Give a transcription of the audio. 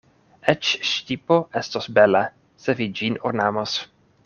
Eĉ ŝtipo estos bela, se vi ĝin ornamos.